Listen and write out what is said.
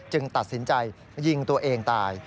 ตัดสินใจยิงตัวเองตาย